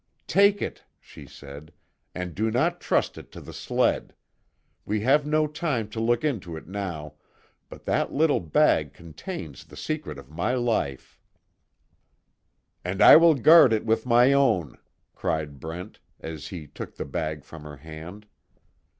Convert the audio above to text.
"Take it," she said, "and do not trust it to the sled. We have no time to look into it now but that little bag contains the secret of my life " "And I will guard it with my own!" cried Brent, as he took the bag from her hand.